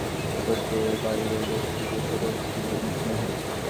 তোমাদের চার বোনকে মধু-সমুদ্রের উপর দিয়ে বায়ুবেগে সঞ্চালিত করছি আমার স্নেহ।